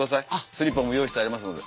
スリッパも用意してありますので。